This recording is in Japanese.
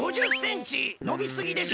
のびすぎでしょ。